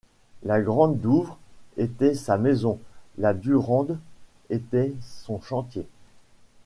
La grande Douvre était sa maison ; la Durande était son chantier.